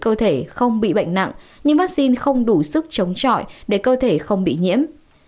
cơ thể không bị bệnh nặng nhưng vaccine không đủ sức chống trọi để cơ thể không bị nhiễm